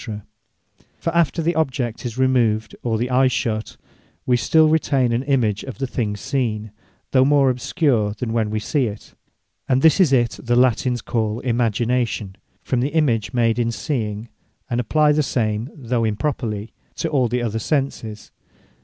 For after the object is removed, or the eye shut, wee still retain an image of the thing seen, though more obscure than when we see it. And this is it, that Latines call Imagination, from the image made in seeing; and apply the same, though improperly, to all the other senses.